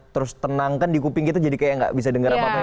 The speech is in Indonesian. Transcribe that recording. terus tenang kan di kuping gitu jadi kayak gak bisa dengar apa apa